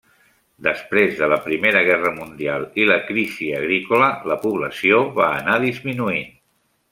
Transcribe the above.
Després de la primera guerra mundial i la crisi agrícola la població va anar disminuint.